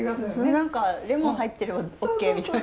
何かレモン入ってればＯＫみたいな。